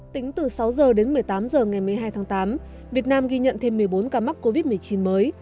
tính từ sáu h đến một mươi tám h ngày một mươi hai tháng tám việt nam ghi nhận thêm một mươi bốn ca mắc covid một mươi chín mới